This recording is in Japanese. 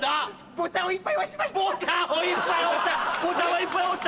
ボタンをいっぱい押した！